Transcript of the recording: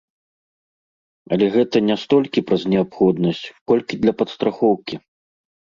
Але гэта не столькі праз неабходнасць, колькі для падстрахоўкі.